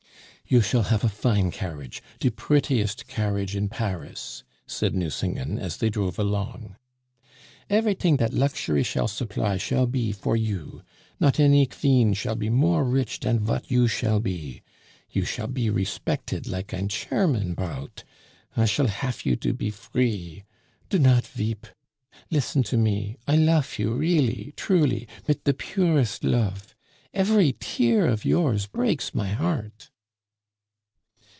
"You shall hafe a fine carriage, de prettiest carriage in Paris," said Nucingen, as they drove along. "Everyting dat luxury shall sopply shall be for you. Not any qveen shall be more rich dan vat you shall be. You shall be respected like ein Cherman Braut. I shall hafe you to be free. Do not veep! Listen to me I lofe you really, truly, mit de purest lofe. Efery tear of yours breaks my heart."